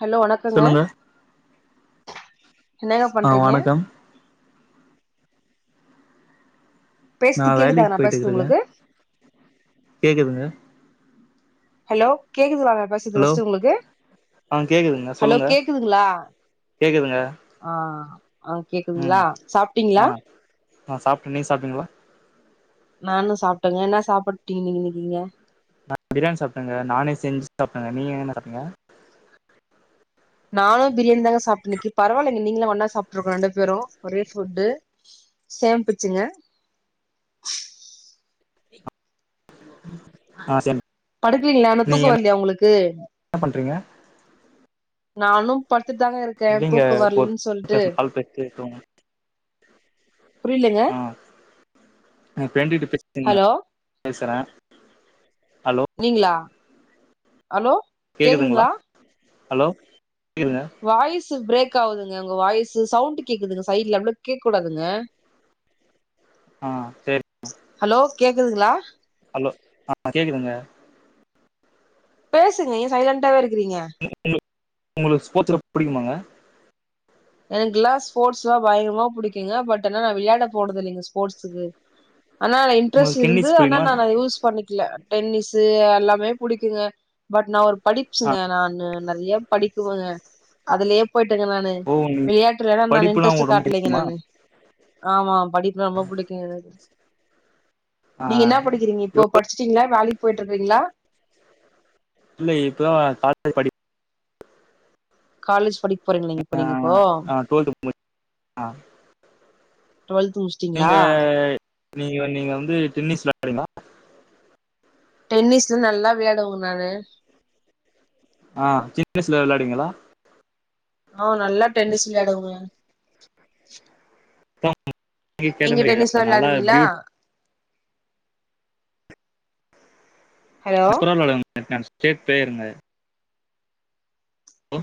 Hello வணக்கங்க சொல்லுங்க என்னங்க ஆ பண்றீங்க வணக்கம் நா பேசுது கேக்குதா வேலைக்கு நா பேசுது போய்ட்டுருக்கேங்க உங்களுக்கு கேக்குதுங்க ஹலோ கேக்குதுங்லாங்கா ஃபஸ் து ஹலோ ஃபஸ்ட்டு உங்ளுக்கு ஆ கேக்குதுங்க ஹலோ சொல்லுங்க கேக்குதுங்ளா கேக்குதுங்க அ அ ம் அ நா சாப்டே நீ சாப்டீங்ளா நானு சாப்டேங்க என்ன சாப்புட்டினி நீங்க நா பிரியாணி சாப்டேங்க நானே செஞ்சு சாப்டேங்க நீங்க என்ன சாப்டீங்க நானு பிரியாணி தாங்க சாப்டே இன்னிக்கி பரவால்ல நீ நீங்களு ஒண்ணா சாப்டுருக்கோ ரெண்டு பேரு ஒரே ஃபுட்டு சேம் பிச்சுங்க அ சேம் படுக்கலீங்ளா இன்னு நீங்க தூக்கோ வர்லியா உங்களுக்கு என்ன பண்றீங்க நானு படுத்துட்டு தாங்க இருக்கே இல்லைங்க தூக்கோ வர்லனு ஒரு சொல்ட்டு பேசணும் கால் பேசிட்டே புரியலங்க அ எங்க ஃப்ரெண்டு கிட்ட பேச்ட்டிருந்த ஹலோ பேசுறே ஹலோ நீங்ளா ஹலோ கேக்குதுங்ளா கேக்குதுங்களா ஹலோ [unintelligible] வாய்ஸ்சு பிரேக் ஆவுதுங்க உங்க வாய்ஸ்சு சவுண்ட் கேக்குதுங்க சைடுல இவ்ளோ கேக்க கூடாதுங்க அ சேரி ஹலோ கேக்குதுங்ளா ஹலோ அ கேக்குதுங்க பேசுங்க ஏ சைலண்டாவே இருக்குறீங்க ஒங்களுக்கு ஸ்போர்ட்ஸ் ரொம்ப புடிக்குமாங்க எனக்குல்லா ஸ்போர்ட்ஸ்னா பயங்கரமா புடிக்குங்க பட் என்னனா நா வெளயாட போறதில்லீங்க ஸ்போர்ட்ஸுக்கு ஆனா நா இன்ட்ரெஸ்ட் உங்களுக்கு இருந்து டென்னிஸ் ஆனா புடிக்குமா நானா யூஸ் பண்ணிக்ல டென்னிஸ்சு எல்லாமே புடிக்குங்க பட் நா ஒரு ஆ படிப்ஸ்சுங்க நானு நறியா படிக்குவங்க அதுலே போய்ட்டேங்க நானு ஓ உங்களுக்கு விளையாட்டுலலா நானு படிப்புனா இன்ட்ரெஸ்ட்டு உங்களுக்கு ரொம்ப காட்லேங்க புடிக்குமா நானு ஆமா படிப்புனா ரொம்ப புடிக்குங்க எனக்கு நீங்க இன்னா ஆ படிக்கிறீங்க இப்போ படிச்ட்டீங்ளா வேலைக்கு போய்ட்ருக்கீங்களா இல்ல இப்ப தா காலேஜ் படி காலேஜ் படிக்போறீங் நீங் இப்போ நீங்க இப்போ டுவெல்த் டூவெல்த்து முச் நீங்க நீங்க நீங்க வந்து டென்னிஸ் வெளாட்வீங்ளா டென்னிஸ்லா நல்லா விளாயாடுவேங்க நானு ஆ சின்ன வய்சுல வெளாடுவீங்ளா ஆ நல்லா டென்னிஸ் விளயாட்வேங்க நீங்க கேட்டுங்க டென்னிஸ்லா நல்லா வெளாட்வீங்ளா பியூட் ஹலோ நா சூப்பரா வெளயாட்வேங்க நா ஸ்டேட் பிளேயருங்க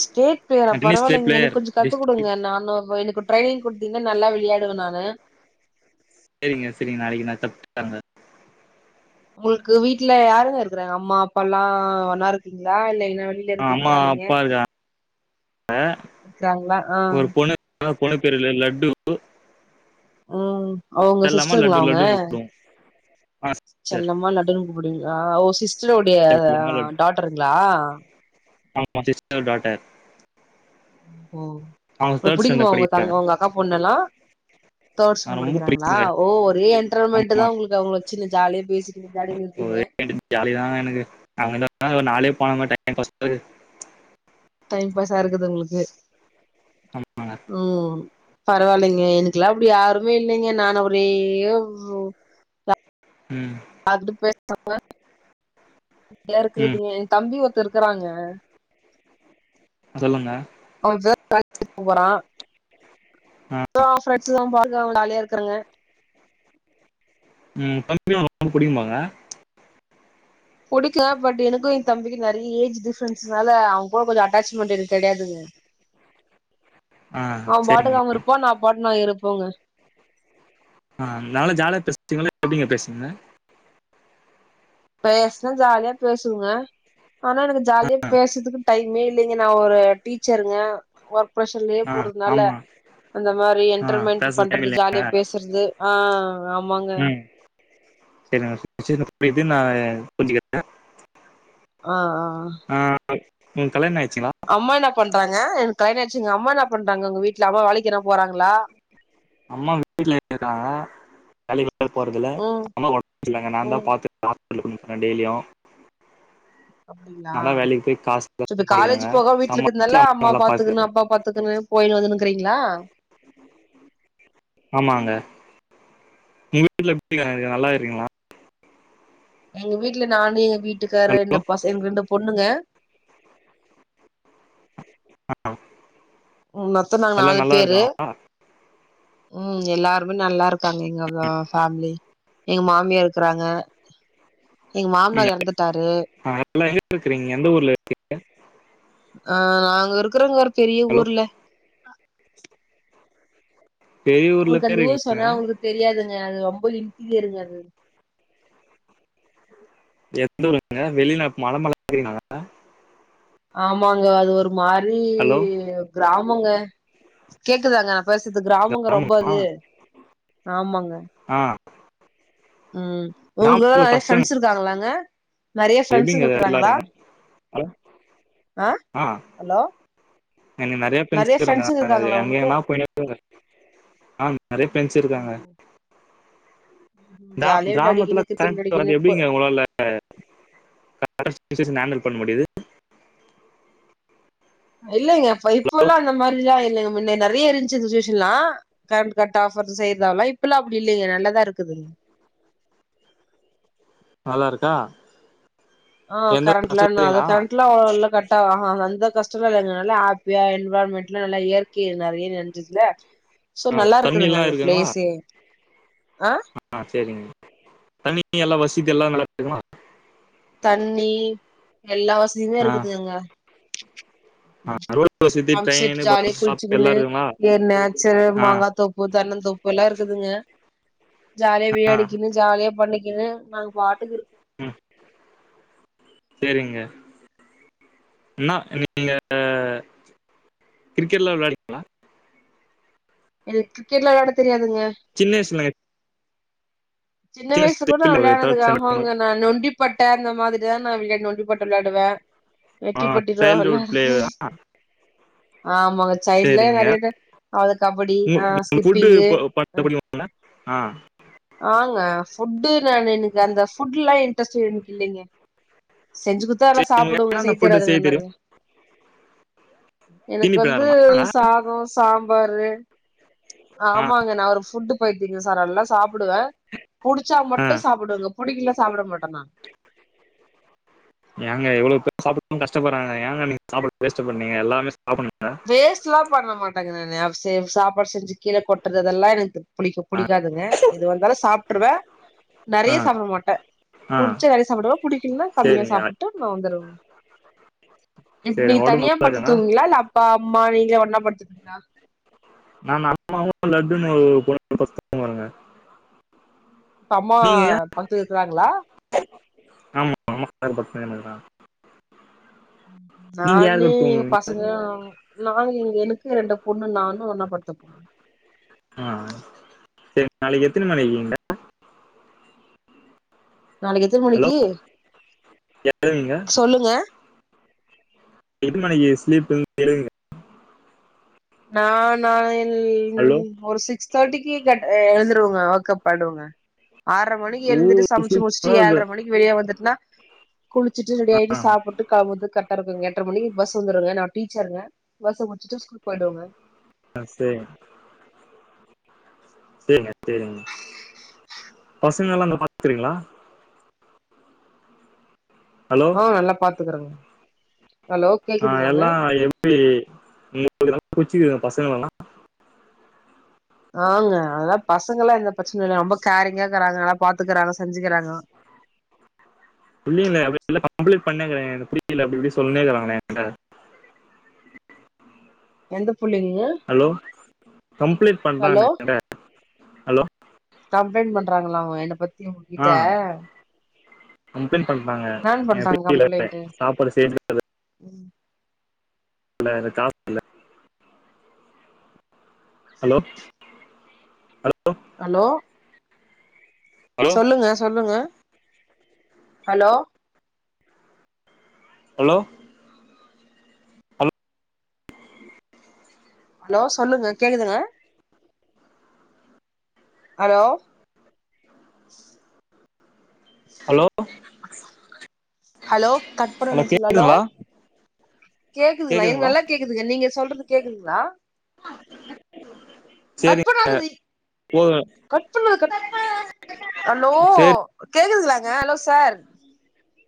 ஸ்டேட் பிளேயரா நான் டென்னிஸ் ஸ்டேட் பரவால்லங் எனக் பிளேயர் கொஞ்சோ கத்துக் டிஸ்ட்ரிக்ட் குடுங்க நானு [unintelligible] ட்ரைனிங் குடுத்தீங்னா நல்லா விளையாடுவே நானு சேரிங்க சேரிங்க நாளைக்கு நா கத்து தரேங்க ஒங்ளுக்கு வீட்ல யாருங்க இருக்குறாங்க அம்மா அப்பால்லா ஒண்ணாருக்கீங்ளா இல்ல என்ன வழி இங்க ஆ, அம்மா இருப்பீங்ளா நீங்க அப்பா இருக்கா இருக்றாங்ளா ஆ ஆ பொண்ணு பேருல லட்டு ம் அவ ஒங்க செல்லம்மா சிஸ்டருங்ளா லட்டு அவுங்க லட்டுன்னு கூப்பிடுவோம் ஆ சிஸ்டர் செல்லமா லட்டுன் கூப்டுவீங்ளா ஓ சிஸ்டருடைய செல்லம்மா லட்டு டா ட்ர்ங்ளா ஆமா சிஸ்டரோட டாட்டர் ஓ ஹோ அவங்க ப்றோ தேர்ட் ஸ்டாண்டர்ட் புடிக்குமா உங்க தங் படிக்கிறாங்க ஒங்க அக்கா பொண்ணல்லா தேர்ட் நான் ஸ்டாண்டர்ட் ரொம்ப படிக்கிறாங்ளா பிடிக்குங்க ஓ ஒரே என்ட்ரன்மெண்ட் ஆமா தா ஒங்ளுக்கு அவுங்கள வச்சுன்னு ஜாலியா பேசிட்டு ஒரே ஜாலில இருக்கீங்க ஒரு ஜாலி தாங்க எனக்கு அவுங்க [inaudible] அந்த ஒரு நாளே போன [inaudible] டைம் பாஸ்க்கு டைம் பாஸா இருக்குது ஒங்ளுக்கு ஆமாங்க ம் பரவால்லைங்க எனக்குல்லா அப்டி யாருமே இல்லைங்க நான் ஒரேஒரு ம் யார்கிட்டயு பேசாம [inaudible] ம் இருக்றதுங்க எ தம்பி ஒருத்தே இருக்கறாங்க அ சொல்லுங்க அவ [inaudible] போறா ஆ [inaudible] ஃப்ரண்ட்ஸ் அவே பாட்டுக்கு அவே ஜாலியாருக்கறாங்க ம் தம்பி ஒங்ளுக்கு ரொம்ப புடிக்குமாங்க புடிக்கு பட் எனக்கு எ தம்பிக்கு நறிய ஏஜ் டிஃப்ரென்ஸ்னால அவே கூட கொஞ்சொ அட்டாச்மெண்ட் எனக்கு கெடயாதுங்க ஆ அவே பாட்டுக்கு சரிங்க அவுங்க இருப்பா நா பாட்டுக்கு நா இருப்போங்க ஆ நல்லா ஜாலியா பேசுவீங்ளா எப்டிங்க பேசுவீங்க பேசனா ஜாலியா பேசுவங்க ஆனா எனக்கு ஜாலியா பேசுதுக்கு டைமே இல்லிங்க நா ஒரு டீச்சருங்க ஒர்க் ப்ரஷர்லே ஆ போறதுனால ஆமா அந்த மாரி ஆ என்ட்ருமென்ட் பேச பண்றது டைமில்ல ஜாலியா பேசுறது ஆ ஆமாங்க [inaudible] நா புரிஞ்சுக்கிறே ஆ ஆ ஆ ஒங் கல்யாணோ ஆய்ச்சுங்களா அம்மா என்னா பண்றாங்க எனக்கு கல்யாணொ ஆய்ச்சுங்க அம்மா என்ன பண்றாங்க ஒங்க வீட்ல அம்மா வேலைக்கெனா போறாங்ளா அம்மா வீட்ல இருக்காங்க வேலைக்கு போறதில்ல ம் அம்மாக் ஒடம்சர்யில்லங்க நா தா ம் பாத்து ஆஸ்பிட்டலுக்கு கூட்டிப் போறே டெய்லியு அப்டிங்ளா ஆனா வேலைக்கு போய் காசு எல்லாம் சோ இப்ப காலேஜ் சம்பாதிக்கிறேங்க போகமா வீட்ல சம்பாதிச்சு இருக்கத்துனால அம்மா நல்லா பாத்துக்குனு பார்த்துக்கிறேன் அப்பா பாத்துக்கனு போயினு வந்துனுகிறைங்களா ஆமாங்க உங்க வீட்டுல எப்டிங்க இருக்காங்க நல்லா இருக்கிங்களா எங்க வீட்டுல நானு எயா வீட்டுக்காரு ஹலோ இந்த பச எங்க ரெண்டு பொண்ணுங்க ஆ ம் மொத்தோ நாங்க நாலு பேரு ம் எல்லாருமே நல்லா இருக்காங்க எங்கா ஃபேமிலி எங்க மாமியார் இருக்கறாங்க எங்க ம் மாமனார் எறந்துட்டாரு ஆ எல்லா இருக்கறீங்க எந்த ஊர்ல இருக்கீங்க அ நாங்க இருக்குறோங்க பெரிய ஹலோ ஊர்ல பெரியூர்ல உங்களுக்கு பேர் அந்த ஊர் சொன்னா உங்களுக்கு தெரியாதுங்க அது ரொம்ப இன்டீரியருங்க அது எந்த ஊருங்க வெளிநாட்டு மல மேலே இருக்குறீங்களா ஆமாங்க அது ஒரு மாரி ஹலோ கிராமங்க கேக்குதாங்க பேசத்து கிராமங்க ரொம்ப கிராமமா அது ஆமாங்க ஆ ம் உங்களோட நெறைய ஃப்ரெண்ட்ஸ் இருக்குறாங்களாங்க எப்டிங்க வர்லாறு ஹலோ ஆ ஹலோ எனக்கு நெறைய ஃப்ரெண்ட்ஸ் கிறாங்க ஃப்ரெண்ட்ஸுங்க இருக்காங்களா உனக்கு எங்கனா போயினே எங்க ஆ நெறைய ஃப்ரெண்ட்ஸ் இருக்காங்க ஓஹோ. ம்ஹ்ம். கிர ஜாலியா கிராமத்துல விளையாடிக்கினு கிரிக்கெட் கரண்ட் விளையாடிக்கினு வராது போ எப்டிங்க உங்களால அ கரண்ட் சுச்சுவேஷன ஹேண்டல் பண்ண முடியுது இல்லைங்க இப்ப இப்பல்லா அந்த மாரி இல்லைங்க முன்ன நறைய இருந்துச்சி சுச்சுவேஷன்லா கரண்ட் கட் ஆஃபர் செய்யறதெல்லா இப்பல்லா அப்டி இல்லைங்க நல்லதா இருக்குதுங்க நல்லா இருக்கா ஆ எந்த கரண்ட்லா கஷ்டம் நல்லா இல்லைங்களா கரெண்ட் எல்லா கரெக் கட்டாகாம எந்த கஷ்டமு கிடையாதுங்க நல்லா ஹாப்பியா என்விரான்மென்ட் நல்லா இயற்கை நெறைய நெறஞ்சதுல்ல சோ ஆ, நல்லா தண்ணி இருக்குதுங்க எல்லாம் அந்த இருக்குங்களா ப்ளேஸ்சே ஆ ஆ சேரிங்க தண்ணி எல்லா வசதி எல்லா நல்லாருக்குங்களா தண்ணி எல்லா வசதியுமே ஆ இருக்குதுங்க ரோடு வசதி பம்பு செட் ட்ரெயின் ஜாலியா பஸ் ஸ்டாப் குளிச்சுக்குனு எல்லாம் இருக்குங்களா இங்க நேச்சரு ஆ மாங்கா தோப்பு தென்னந் தோப் ப்புல்லா இருக்குதுங்க ஜாலியா ஆ விளையாடிக்கின்னு ஜாலியா பண்ணிக்கினு நாங்க பாட்டுக்கு இரு அ சேரிங்க என்னா நீங்க கிரிக்கெட்லா விளாடி என்க் கிரிக்கெட்ல விளையாட தெரியாதுங்க சின்ன வயசுலங்க சின்ன வயசுக் கூட நான் வயசுல ஒரு தேர்ட் விளையாட்னதுல்ல அ ஸ்டாண்டர்ட் மாரி ஹாங்க நா நொண்டி பட்ட அந்த மாரிதான் நான் விளையாட் நொண்டி பட்ட விளையாடுவே ஆ வெட்டிப்பெட்டிலா சைல்டுஹுட் விளையாட்றது பிளேயரா ஆமாங்க சைட்ல சேரிங்க நெறைய இது அது கபடி ஆ ஸ்கிப்பிங்கு கபடி [inaudible] ஆ ஆங்க ஃபுட்டு நானு எனக்கு அந்த ஃபுட்லா இன்ட்ரஸ்ட் எனக்கு இல்லைங்க செஞ்சி குத்தா நல்லா சேரி உங்களுக்கு சாப்புடுவோ செய்ய என்னென்ன ஃபுட்டு தெரியாதுங்க அது தெரியு மாரில்லா எனக்கு தீனி வந்து பணியாரமா சாதோ சாம்பாரு ஆ ஆமாங்க நா ஒரு ஃபுட் பைத்தியங்க சார் நல்லா சாப்டுவே புடிச்சா ஆ மட்டு சாப்டுவேங்க புடிக்கல சாப்ட மாட்டே நா ஏங்க எவ்ளோ பேர் [inaudible] கஷ்டப்பட்றாங்க ஏங்க நீங்க சாப்பாட்ட வேஸ்ட் பண்றீங்க எல்லாமே சாப்புட்னுங்க வேஸ்ட் லா பண்ண மாட்டேங்க நானு அது செ சாப்பாடு செஞ்சி கீழ கொட்டுறத்து இதெல்லா எனக்கு புடிக்க ஆ புடிக்காதுங்க எதுவா வந்தாலு சாப்ருவே ஆ நிறைய சாப்ட மாட்டே ஆ புடிச்ச நிறைய சாப்டுவ புடிக்கலன்னா கம்மியா சேரிங்க சாப்புட்டு அ வந்துருவ இப்ப நீ சேரிங்க ஒடம்பு தனியா நல்லா படுத்து இருக்கானா தூங்குவீங்ளா இல்ல அப் பா அம்மா நீங்களா ஒண்ணா படுத்துபீங்களா நானு அம்மாவு லட்டுன்ன ஒரு ரூம் ல படுத்துக்குவாங்க இப்ப அம்மா படுத்து இருக்குறாங்ளா ஆமா ஆமா வேல பாக்க [inaudible] நீங்க யாரு நானு கூட எங்க தூங்குவீங்க பசங்க நாங்க எங்க எனக்கு ரெண்டு பொண்ணு நானு ஒண்ணா படுத்துப் ஆ செரி நாளைக்கி எத்தன மணிக்கீங்க நாளைக்கு எத்தன ஹலோ மணிக்கி எழுவீங்க சொல்லுங்க எத்தன மணிக்கு ஸ்லீப்பு இரு எடுங்க நா நாள ஹலோ ஒரு சிக்ஸ் தேர்ட்டிக்கு கெட் எழுந்துருவங்க வாக்அப் ஆய்டுவங்க ஆற்ற மணிக்கி எழுந்துட்டு சமுச்சு ஸ்லீப்பா முச்சிட்டு இது ஏழ்ற மணி வெளியா வந்துட்டுன்னா குளிச்சுட்டு ரெடி ஆகிட்டு ஆ சாப்புட்டு கெளம்புவது கரெக்டா இருக்குங்க எட்ர மணிக்கி பஸ் வந்துடுங்க நா டீச்சருங்க பஸ்ஸ புச்சிட்டு ஸ்கூல் போயிடுவங்க ஆ செரிங் ங்க செரிங்க பசங்கெல்லா நல்லா பாத்துக்குறீங்ளா ஹலோ ஆ நல்லா பாத்துக்கறேங்க ஹலோ ஆ கேக்குதுங்களாங்க எல்லா எப்டி உங்ளுக்கு புடுச்சுருக்குதுங்ளா பசங்கள எல்லா ஆங்க அதனால பசங்கெல்லா எந்த பிரச்சனை இல்ல ரொம்ப கேரிங்காக்கறாங்க நல்லா பாத்துக்கறாங்க செஞ்சுகிறாங்க இல்லல இல்ல அப்டில்ல கம்ப்ளீட் பண்ணேறேங்க புரியல அப்டி இப்டி சொன்னேக்காங்கள எந்த புள்ளைங்க ஹலோ கம்ப்ளீட் பண்ற ஹலோ ந கட ஹலோ கம்ப்ளைண்ட் பண்றாங்களா அவ என்ன பத்தி உங்க ஆ கிட்ட கம்ப்ளைண்ட் பண்றாங்க எப்டி பண்றாங்க முடியல வீட்ல சாப்பாடு செய்ய மு [inaudible] ம் இல்ல இருக்கா ஹலோ ஹலோ ஹலோ ஹலோ சொல்லுங்க சொல்லுங்க ஹலோ ஹலோ ஹலோ ஹலோ சொல்லுங்க கேக்குதுங்க ஹலோ ஹலோ ஹலோ கட் பன்னனு சொல்லு ஹலோ கேக்குது லைன் கேட்குதுங்களா நல்லா கேக்குதுங்க நீங்க சொல்றது கேக்குதுங்ளா [inaudible] கட் பண்ணாததி போதுங்க கட் பண்ணாத கட் ஹலோ சரி கேக்குதுங்ளாங்க ஹலோ சார்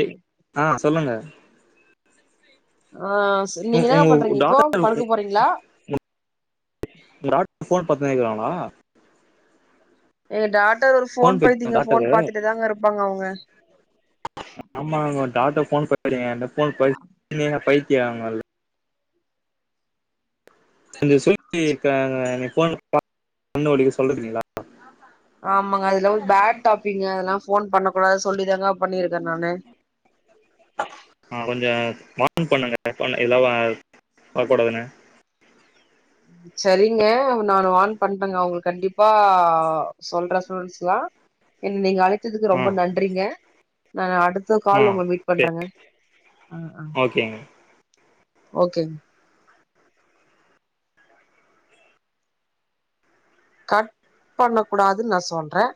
ஏ ஆ சொல்லுங்க ஆ ச நீங்க உங்க என்னாங்க பண்றீங்க இப்போ டாட்டர் படுக்க போறீங்ளா விராட் ஃபோன் பாத்துனேக்கிறானா எங்க டாட்டர் ஒரு ஃபோன் போயிடுச்சு பைத்தியங்க ஃபோன் டாக்டரு பாத்துட்டே தாங்க இருப்பாங்க அவுங்க ஆமாங்க பண்ணக்கூடாது டாட்ட ஃபோன் பைத்தியங்க அந்த ஃபோன் பைத் பைத்திய அவுங்கள் கொஞ்ச சொல்லி க அந்த ஃபோன பாத்த கண்ணு வலி சொல்றது இல்லீங்ளா ஆமாங்க அதெல்லா ஒரு பேட் டாப்பிங்க அதெல்லா ஃபோன் பண்ண கூடாது சொல்லிதாங்க பண்ணிருக்க நானு ஆ கொஞ்ச வான் பண்ணுங்க பண்ண இதெல்லா பாக்க கூடாதுனு சரிங்க நானு வான் பண்றங்க அவங்களுக் கண்டிப்பா சொல்ற ஸ்டூடன்ஸ்லா என்ன நீங்க அழைத்ததுக்கு ஆ ரொம்ப நன்றிங்க நா அடுத் த ஆ கால்ல உங்கள மீட் சரி பண்றங்க ஆ ஆ ஓகேங்க ஓகேங்க கட் பண்ண கூடாதுன் நா சொல்றே